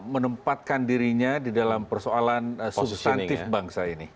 menempatkan dirinya di dalam persoalan substantif bangsa ini